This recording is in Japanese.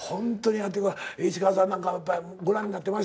石川さんなんかやっぱご覧になってました？